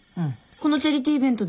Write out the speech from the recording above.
このチャリティーイベントで？